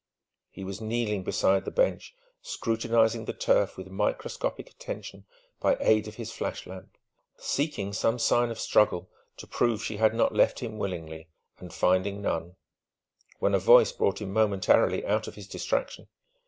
He was kneeling beside the bench scrutinizing the turf with microscopic attention by aid of his flash lamp, seeking some sign of struggle to prove she had not left him willingly, and finding none when a voice brought him momentarily out of his distraction.